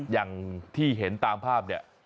อย่างที่เห็นตามภาพเนี่ย